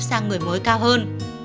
sang người mới cao hơn